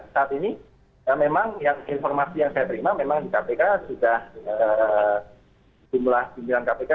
saat ini memang yang informasi yang saya terima memang di kpk sudah jumlah pimpinan kpk